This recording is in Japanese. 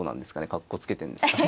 かっこつけてんですかね。